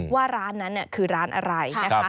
ว่าร้านนั้นคือร้านอะไรนะคะ